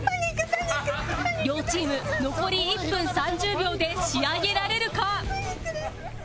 両チーム残り１分３０秒で仕上げられるか？